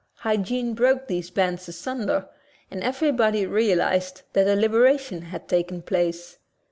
Hygiene broke these bands asunder and everybody realized that a libera tion had taken place.